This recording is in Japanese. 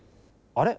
あれ？